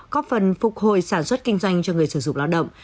có phần phục hồi sản xuất kinh doanh cho người sử dụng lao động